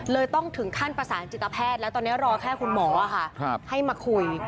ต้องถึงขั้นประสานจิตแพทย์แล้วตอนนี้รอแค่คุณหมอให้มาคุย